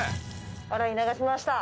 洗い流しました。